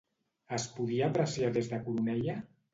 Es podia apreciar des de Coroneia?